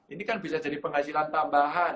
ini kan bisa jadi penghasilan tambahan